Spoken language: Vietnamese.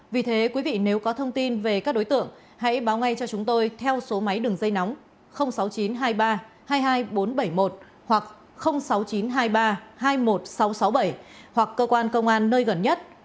vì thế quý vị nếu có thông tin về các đối tượng hãy báo ngay cho chúng tôi theo số máy đường dây nóng sáu mươi chín hai mươi ba hai mươi hai nghìn bốn trăm bảy mươi một hoặc sáu mươi chín hai mươi ba hai mươi một nghìn sáu trăm sáu mươi bảy hoặc cơ quan công an nơi gần nhất